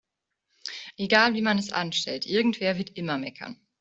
Egal wie man es anstellt, irgendwer wird immer meckern.